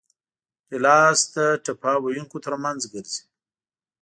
ګیلاس د ټپه ویونکو ترمنځ ګرځي.